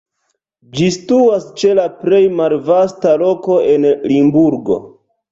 Ĝi situas ĉe la plej malvasta loko en Limburgo.